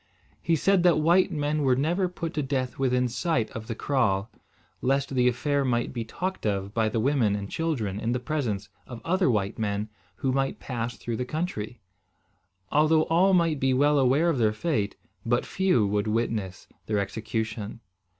He said that white men were never put to death within sight of the kraal, lest the affair might be talked of by the women and children in the presence of other white men who might pass through the country. Although all might be well aware of their fate, but few would witness their execution.